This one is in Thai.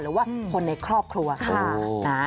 หรือว่าคนในครอบครัวค่ะนะ